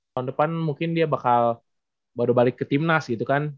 tahun depan mungkin dia bakal baru balik ke timnas gitu kan